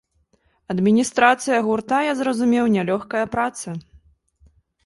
Адміністрацыя гурта, я зразумеў, нялёгкая праца.